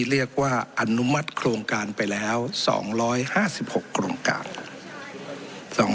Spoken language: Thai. เรียกว่าอนุมัติโครงการไปแล้วสองร้อยห้าสิบหกโครงการสอง